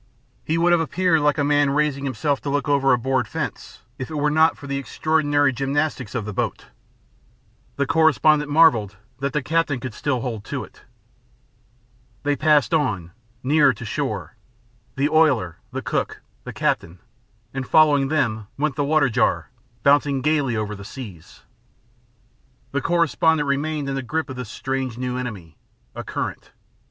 He would have appeared like a man raising himself to look over a board fence, if it were not for the extraordinary gymnastics of the boat. The correspondent marvelled that the captain could still hold to it. They passed on, nearer to shore the oiler, the cook, the captain and following them went the water jar, bouncing gaily over the seas. The correspondent remained in the grip of this strange new enemy a current.